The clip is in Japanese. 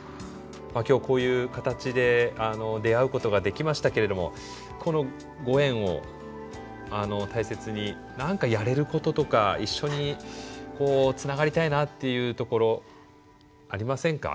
今日こういう形で出会うことができましたけれどもこのご縁を大切に何かやれることとか一緒にこうつながりたいなっていうところありませんか？